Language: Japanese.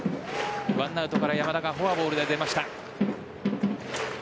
１アウトから山田がフォアボールで出ました。